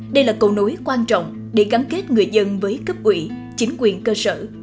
đây là cầu nối quan trọng để gắn kết người dân với cấp ủy chính quyền cơ sở